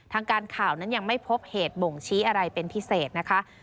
ทางการข่าวนั้นยังไม่พบเหตุบ่งชี้อะไรเป็นพิเศษนะคะ